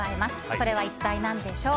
それは一体何でしょう。